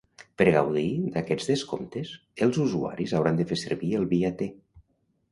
Per gaudir d'aquests descomptes, els usuaris hauran de fer servir el Via-T.